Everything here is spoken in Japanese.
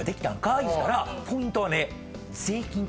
いうたらポイントはね。